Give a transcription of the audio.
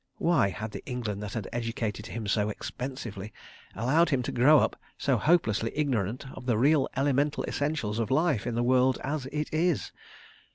Why had the England that had educated him so expensively, allowed him to grow up so hopelessly ignorant of the real elemental essentials of life in the World As It Is?